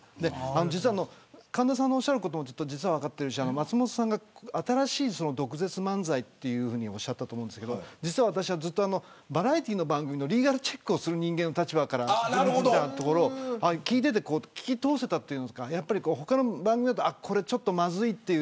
実は、神田さんのおっしゃることも分かってるし松本さんが新しい毒舌漫才とおっしゃったと思うんですが私はバラエティー番組のリーガルチェックをする人間の立場から見てたところ聞き通せたというか他の番組だとこれは、まずいという。